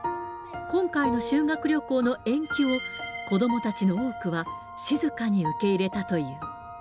今回の修学旅行の延期を、子どもたちの多くは静かに受け入れたという。